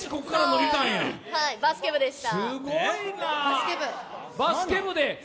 バスケ部でした。